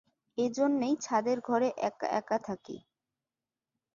এই জন্যেই ছাদের ঘরে এক-একা থাকি।